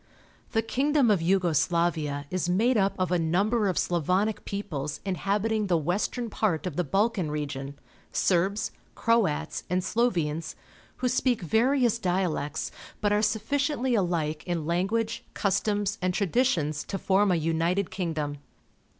— The king dom of Yugo Slaria is made up of a number of Slavonic peoples inhabiting the western part of the Balkan region — Serbs, Croats, and Slovenes — who speak various dialects, but are sufficiently alike in language, customs, and traditions to form a united kingdom.